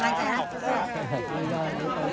อีกถึงภาพนะครับหนึ่ง